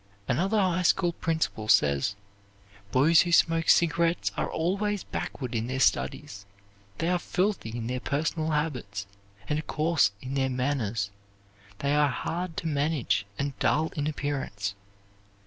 Another high school principal says, "Boys who smoke cigarettes are always backward in their studies; they are filthy in their personal habits, and coarse in their manners, they are hard to manage and dull in appearance."